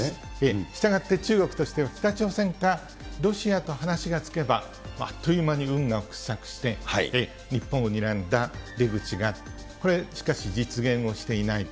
したがって中国としては、北朝鮮かロシアと話がつけば、あっという間に運河を掘削して、日本をにらんだ出口が、これ、しかし、実現をしていないと。